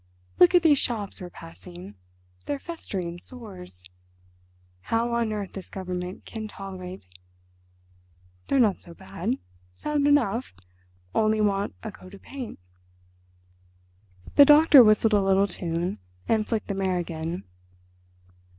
Look at these shops we're passing—they're festering sores. How on earth this government can tolerate—" "They're not so bad—sound enough—only want a coat of paint." The doctor whistled a little tune and flicked the mare again.